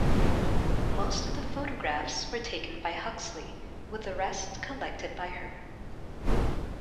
Most of the photographs were taken by Huxley, with the rest collected by her.